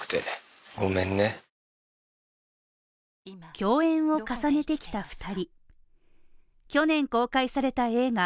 共演を重ねてきた２人。